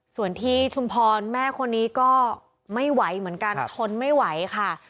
ส่วนที่ชุมพรแม่คนนี้ก็ไม่ไหวเหมือนกันทนไม่ไหวค่ะ